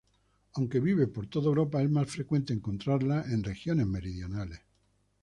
Aunque vive por toda Europa es más frecuente encontrarla en regiones meridionales.